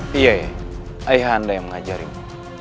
hah iya ya ayahanda yang mengajarimu